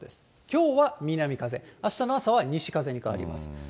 きょうは南風、あしたの朝は西風に変わります。